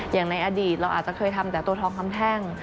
อย่างในอดีตเราอาจจะเคยทำแต่ตัวทองคำแท่ง